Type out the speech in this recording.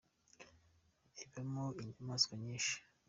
ibamo inyamaswa nyinshi.